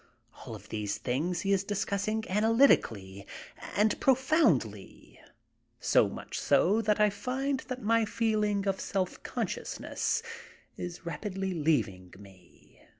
All of these things he is discussing analytically and profoundly, so much so that I find that my feeling of self consciousness is rapidly leaving me.